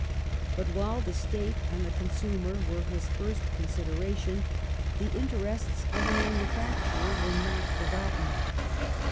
But while the State and the consumer were his first consideration, the interests of the manufacturer were not forgotten.